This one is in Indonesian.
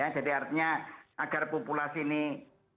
jadi artinya agar populasi ini menyebabkan